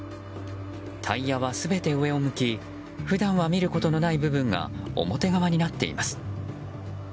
タイヤは全て上を向き普段は見ることのない部分が表側になっています。